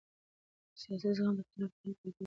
سیاسي زغم د اختلاف د حل کلتور رامنځته کوي